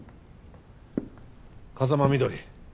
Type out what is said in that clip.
風間みどり